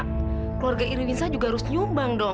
keluarga irwinsa juga harus nyumbang dong